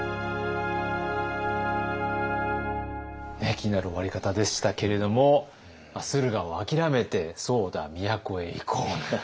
気になる終わり方でしたけれども駿河をあきらめてそうだ都へ行こう。